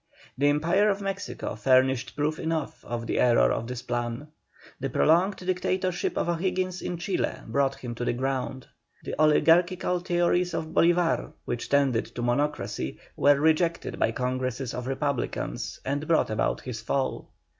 The empire of Mexico furnished proof enough of the error of this plan. The prolonged dictatorship of O'Higgins in Chile brought him to the ground. The oligarchical theories of Bolívar, which tended to monocracy, were rejected by Congresses of Republicans, and brought about his fall.